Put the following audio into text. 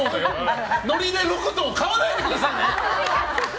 ノリで６棟買わないでくださいね！